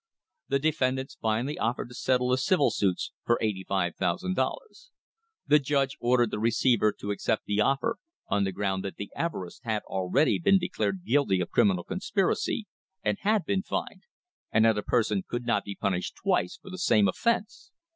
The defendants finally offered to settle the civil suits for $85,000. The judge ordered the receiver to acept the offer, on the ground that the Everests had already been declared guilty of criminal conspiracy and had been fined, and that a person could not be punished twice for the same offence!